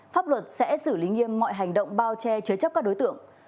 pháp luật sẽ giữ lý nghiêm mọi hành động bao che chế chấp các đối tượng